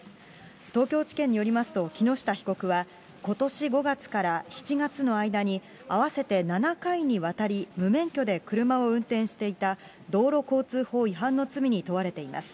東京地検によりますと、木下被告はことし５月から７月の間に合わせて７回にわたり無免許で車を運転していた道路交通法違反の罪に問われています。